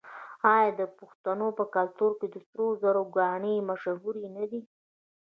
آیا د پښتنو په کلتور کې د سرو زرو ګاڼې مشهورې نه دي؟